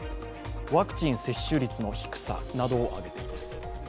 ワクチン接種率の低さなどを挙げています。